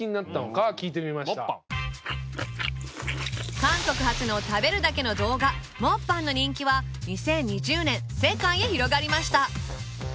韓国発の食べるだけの動画モッパンの人気は２０２０年世界へ広がりました